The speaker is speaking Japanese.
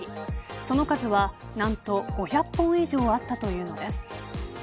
その数は何と５００本以上あったというのです。